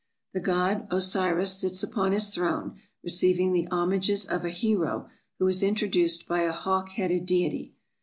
The god Osiris sits upon his throne, receiving the homages of a hero, who is introduced by a hawk headed deity.